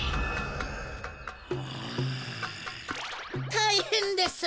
たいへんです！